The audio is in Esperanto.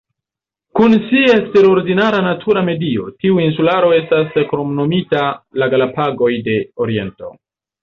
Kun sia eksterordinara natura medio, tiu insularo estas kromnomita "La Galapagoj de Oriento".